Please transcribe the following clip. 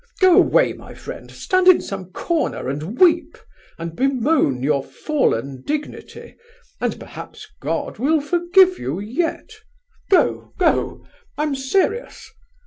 Go away, my friend, stand in some corner and weep, and bemoan your fallen dignity, and perhaps God will forgive you yet! Go, go! I'm serious!